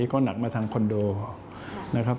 ก็หนักมาทางคอนโดนะครับ